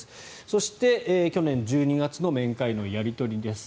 そして、去年１２月の面会のやり取りです。